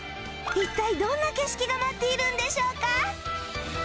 一体どんな景色が待っているんでしょうか？